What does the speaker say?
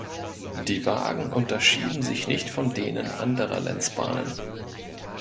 Die Wagen unterschieden sich nicht von denen anderer Lenz-Bahnen.